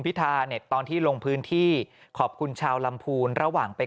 พิธาเนี่ยตอนที่ลงพื้นที่ขอบคุณชาวลำพูนระหว่างไป